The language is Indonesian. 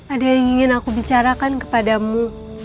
ada yang ingin aku bicarakan kepadamu